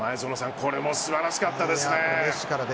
これも素晴らしかったですね。